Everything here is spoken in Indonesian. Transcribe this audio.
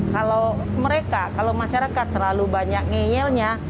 kalau mereka kalau masyarakat terlalu banyak ngeyelnya